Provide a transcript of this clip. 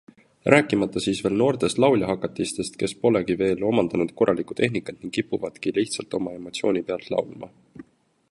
Rääkimata siis veel noortest lauljahakatistest, kes polegi veel omandanud korralikku tehnikat ning kipuvadki lihtsalt oma emotisooni pealt laulma.